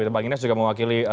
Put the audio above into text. bang ines juga mewakili